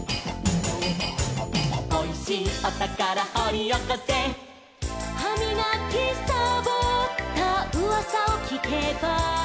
「おいしいおたからほりおこせ」「はみがきさぼったうわさをきけば」